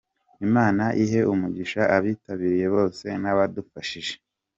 Imana ihe umugisha abitabiriye bose n'abadufashije.